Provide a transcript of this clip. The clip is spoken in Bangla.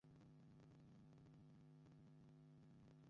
স্টলের একদিক দিয়ে ঢুকে আরেক দিক দিয়ে বের হলেই চেহারা পাল্টে যাবে।